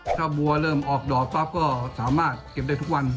ถ้าบัวเริ่มออกดอกปั๊บก็สามารถเก็บได้ทุกวัน